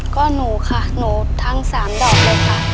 ก็หนูค่ะหนูทั้ง๓ดอกเลยค่ะ